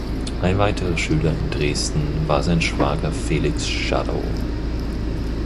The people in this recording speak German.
Ein weiterer Schüler in Dresden war sein Schwager Felix Schadow.